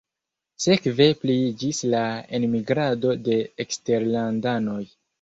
Sekve pliiĝis la enmigrado de eksterlandanoj.